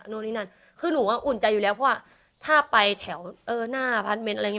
โน้นนี่นั่นคือหนูก็อุ่นใจอยู่แล้วเพราะว่าถ้าไปแถวเออหน้าอะไรอย่างเงี้ย